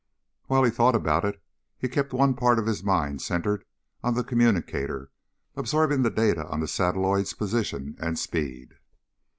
While he thought about it, he kept one part of his mind centered on the communicator absorbing the data on the satelloid's position and speed.